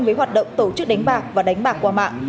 với hoạt động tổ chức đánh bạc và đánh bạc qua mạng